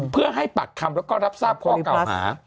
เพื่อให้ปากคำแล้วก็รับทราบข้อเก่าหา